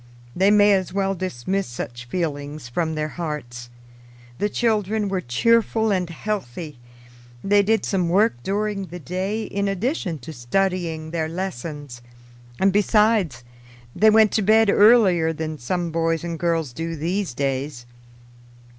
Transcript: They may as well dismiss such feelings from their hearts. The children were cheerful and healthy; they did some work during the day in addition to studying their lessons; and besides they went to bed earlier than some boys and girls do these days.